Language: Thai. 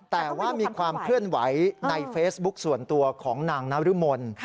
แต่ว่ามีความเคลื่อนไหวในเฟซบุ๊คส่วนตัวของนางนรมน